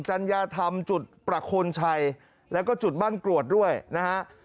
จัญญาธรรมจุดประโคนชัยแล้วก็จุดบ้านกรวดด้วยนะฮะ